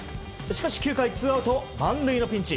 しかし９回ツーアウト満塁のピンチ。